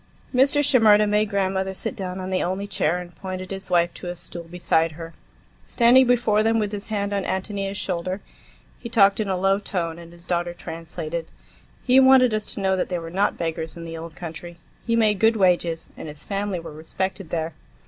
Mr. Shimerda made grandmother sit down on the only chair and pointed his wife to a stool beside her. Standing before them with his hand on Ántonia's shoulder, he talked in a low tone, and his daughter translated. He wanted us to know that they were not beggars in the old country; he made good wages, and his family were respected there.